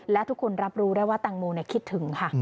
และทุกคนรับรู้ได้ว่าแตงโมคิดถึงค่ะ